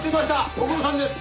ご苦労さんです。